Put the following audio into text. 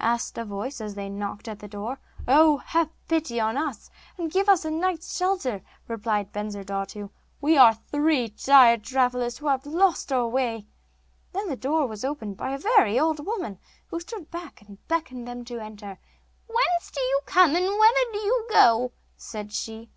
asked a voice, as they knocked at the door. 'Oh! have pity on us, and give us a night's shelter,' replied Bensurdatu; 'we are three tired travellers who have lost our way.' Then the door was opened by a very old woman who stood back, and beckoned them to enter. 'Whence do you come, and whither do you go?' said she.